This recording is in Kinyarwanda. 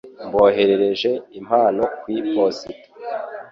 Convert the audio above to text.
Mboherereje impano kwi posita.